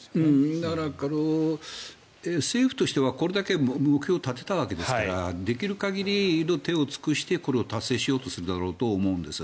だから、政府としてはこれだけ目標を立てたわけですからできる限りの手を尽くしてこれを達成しようとするだろうと思うんです。